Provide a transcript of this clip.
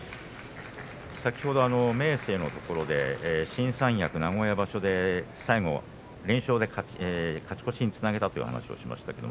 先ほど明生のところで新三役、名古屋場所で最後勝ち越しにつなげたという話をしました。